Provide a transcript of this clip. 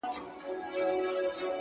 • په درد آباد کي، ویر د جانان دی،